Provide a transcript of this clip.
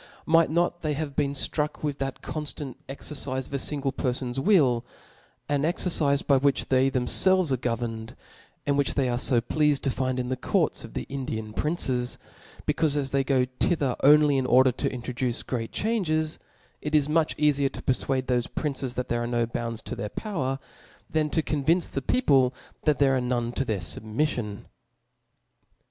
Might not they have been flruck with that conftant exercife of a fingle perfon's will, an exercife by which they themfelves are governed, and which they are fo pleafed to find in the courts of the Indian princes ; bec^ufe as they go thither only in order to introduce great changes, it is much eafier to perfuade thofe princes that there are no bounds to their power, than to convince the people that there are none to their fubmiOion *.